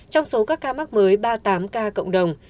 trong số các ca mắc mới ba mươi tám ca cộng đồng